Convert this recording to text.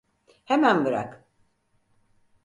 Hemen bırak!